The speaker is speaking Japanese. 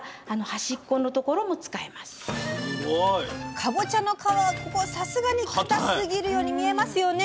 かぼちゃの皮はさすがにかたすぎるように見えますよね。